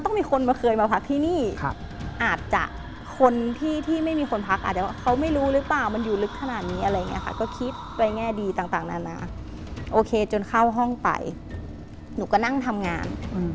โอเคจนเข้าห้องไปหนูก็นั่งทำงาน